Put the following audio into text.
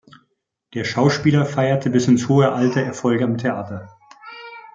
Der Schauspieler feierte bis ins hohe Alter Erfolge am Theater.